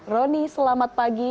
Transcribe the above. roni selamat pagi